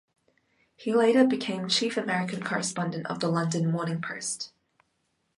He later became Chief American Correspondent of the London "Morning Post".